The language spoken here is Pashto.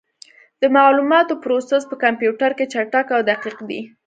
د معلوماتو پروسس په کمپیوټر کې چټک او دقیق دی.